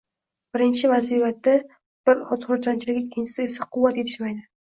Birinchi vaziyatda bir oz xursandchilik, ikkinchisida esa – quvvat yetishmaydi.